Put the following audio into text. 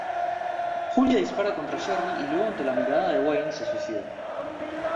Julia dispara contra Sherry y luego ante la mirada de Wayne se suicida.